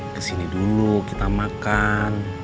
kesini dulu kita makan